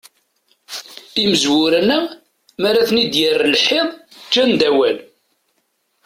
Imezwura-nneɣ mara ten-id-yerr lḥiḍ, ǧǧan-d awal.